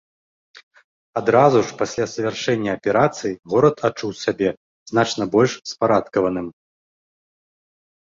Адразу ж пасля завяршэння аперацыі горад адчуў сябе значна больш спарадкаваным.